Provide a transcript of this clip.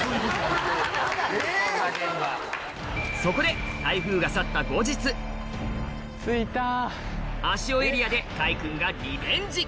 そこで台風が去った足尾エリアで開くんがリベンジ